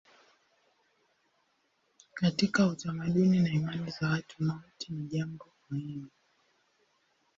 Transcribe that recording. Katika utamaduni na imani za watu mauti ni jambo muhimu.